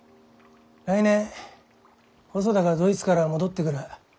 来年細田がドイツから戻ってくる。